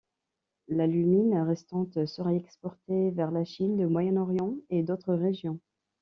L'alumine restante serait exportée vers la Chine, le Moyen-Orient et d'autres régions.